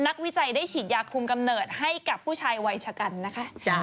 วิจัยได้ฉีดยาคุมกำเนิดให้กับผู้ชายวัยชะกันนะคะ